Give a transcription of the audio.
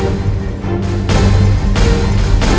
jangan lupa like subscribe dan share ya